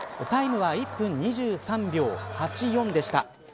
タイムは１分２３秒８４でした。